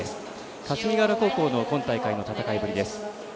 霞ヶ浦高校の今大会の戦いぶりです。